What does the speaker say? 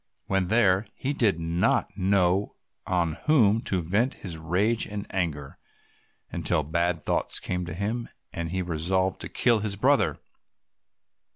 When there he did not know on whom to vent his rage and anger, until bad thoughts came to him, and he resolved to kill his brother.